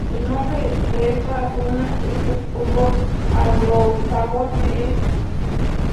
El nombre de esta runa en el futhorc anglosajón es is.